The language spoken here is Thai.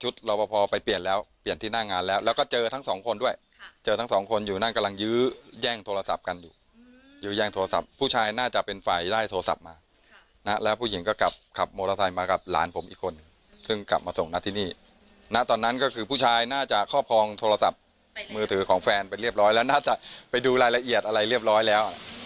ตอนนั้นก็คือผู้ชายน่าจะครอบครองโทรศัพท์มือถือของแฟนไปเรียบร้อยแล้วน่าจะไปดูรายละเอียดอะไรเรียบร้อยแล้ว